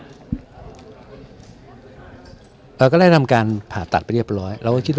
เราก็ได้ทำการผ่าตัดไปเรียบร้อย